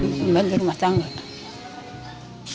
membantu rumah tangga